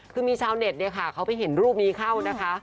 คือมีชาวเน็ตเนี่ยค่ะเขาไปเห็นรูปนี้เข้านะคะ